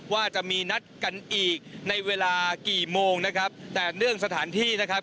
ว่าจะมีนัดกันอีกในเวลากี่โมงนะครับแต่เนื่องสถานที่นะครับ